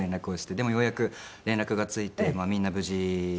でもようやく連絡がついてみんな無事で。